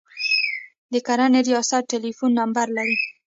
د کرنې ریاست ټلیفون نمبر لرئ؟